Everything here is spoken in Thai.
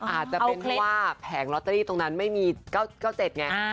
อาจจะเป็นเพราะว่าแผงลอตเตอรี่ตรงนั้นไม่มี๙๙๗ไง